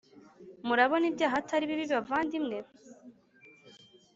murabona ibyaha Atari bibi bavandimwe